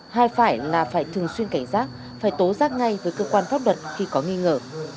hai phải là phải thường xuyên cảnh giác phải tố giác ngay với cơ quan pháp luật khi có nghi ngờ